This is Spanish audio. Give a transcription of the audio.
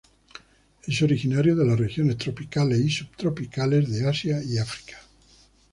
Es originario de las regiones tropicales y subtropicales de Asia y África.